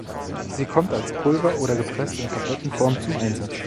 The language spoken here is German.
Sie kommt als Pulver oder gepresst in Tablettenform zum Einsatz.